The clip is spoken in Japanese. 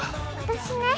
私ね。